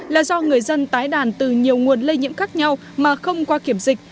là do người dân tái đàn từ nhiều nguồn lây nhiễm khác nhau mà không qua kiểm dịch